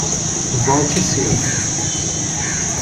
Volte cedo